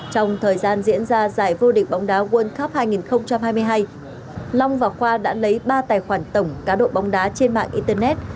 trong thời gian diễn ra giải vô địch bóng đá world cup hai nghìn hai mươi hai long và khoa đã lấy ba tài khoản tổng cá độ bóng đá trên mạng internet